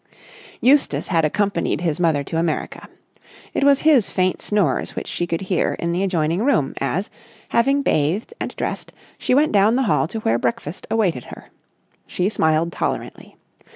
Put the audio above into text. Eustace had accompanied his mother to America. It was his faint snores which she could hear in the adjoining room as, having bathed and dressed, she went down the hall to where breakfast awaited her. She smiled tolerantly.